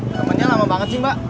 temennya lama banget sih mbak